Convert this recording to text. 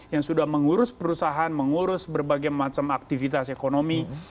yang sudah mengurus perusahaan mengurus berbagai macam aktivitas ekonomi